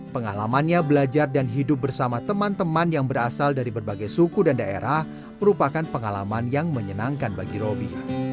pengalamannya belajar dan hidup bersama teman teman yang berasal dari berbagai suku dan daerah merupakan pengalaman yang menyenangkan bagi roby